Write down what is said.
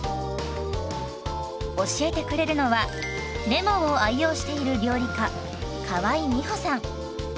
教えてくれるのはレモンを愛用している料理家河井美歩さん。